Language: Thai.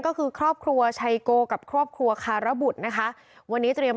ก็คือครอบครัวชัยโกกับครอบครัวคารบุตรนะคะวันนี้เตรียม